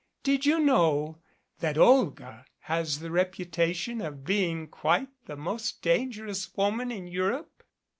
Did you know that Olga has the reputation of being quite the most dangerous woman in Europe?"